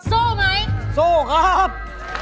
สู้ไหมสู้ครับ